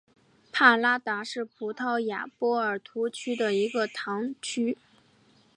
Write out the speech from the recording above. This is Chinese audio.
帕拉达是葡萄牙波尔图区的一个堂区。